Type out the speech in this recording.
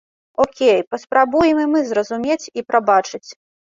Окей, паспрабуем і мы зразумець і прабачыць.